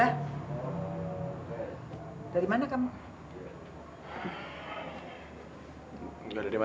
anda akan meng approximati